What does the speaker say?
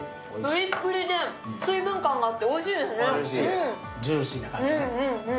プリップリで水分感があっておいしいですね。